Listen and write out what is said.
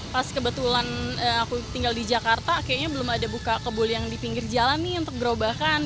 pas kebetulan aku tinggal di jakarta kayaknya belum ada buka kebul yang di pinggir jalan nih untuk gerobakan